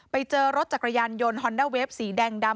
ไปเจอรถจักรยานยนต์ฮอนด้าเวฟสีแดงดำ